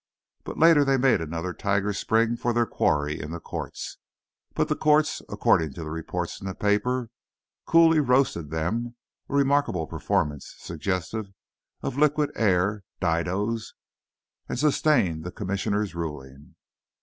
But later they made another tiger spring for their quarry in the courts. But the courts, according to reports in the papers, "coolly roasted them" (a remarkable performance, suggestive of liquid air didoes), and sustained the Commissioner's Ruling.